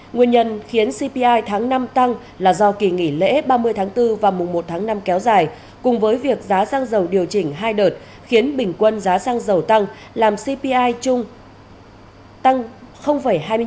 nguyên nhân khiến cpi tháng năm tăng là do kỳ nghỉ lễ ba mươi tháng bốn và mùa một tháng năm kéo dài cùng với việc giá xăng dầu điều chỉnh hai đợt khiến bình quân giá xăng dầu tăng làm cpi chung tăng hai mươi bốn